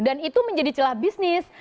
dan itu menjadi celah bisnis